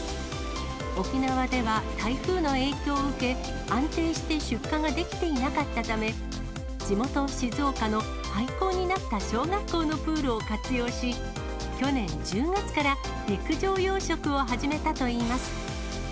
沖縄では台風の影響を受け、安定して出荷ができていなかったため、地元、静岡の廃校になった小学校のプールを活用し、去年１０月から陸上養殖を始めたといいます。